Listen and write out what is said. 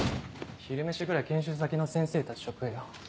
昼飯ぐらい研修先の先生たちと食えよ。